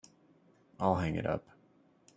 I'll hang it up.